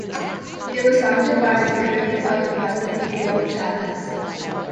It was founded by Decree of the president Hugo Chavez.